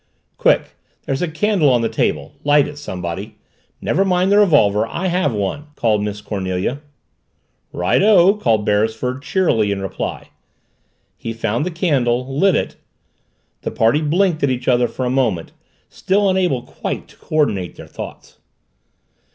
"Quick there's a candle on the table light it somebody. Never mind the revolver, I have one!" called Miss Cornelia. "Righto!" called Beresford cheerily in reply. He found the candle, lit it The party blinked at each other for a moment, still unable quite to co ordinate their thoughts.